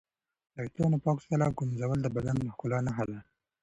د ویښتانو پاک ساتل او ږمنځول د بدن د ښکلا نښه ده.